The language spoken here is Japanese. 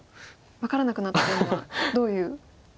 分からなくなったというのはどういう？